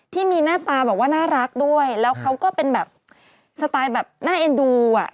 ที่มีหน้าตาแบบว่าน่ารักด้วยแล้วเขาก็เป็นแบบสไตล์แบบน่าเอ็นดูอ่ะ